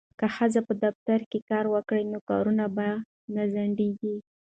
که ښځې په دفترونو کې کار وکړي نو کارونه به نه ځنډیږي.